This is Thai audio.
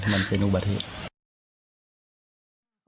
มันเป็นอุบัติธรรม